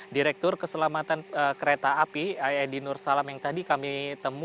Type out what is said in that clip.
direktur keselamatan kereta api edi nur salam yang tadi kami temui